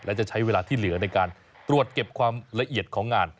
และจะใช้เวลาที่เหลือในการตรวจเก็บความละเอียดของงาน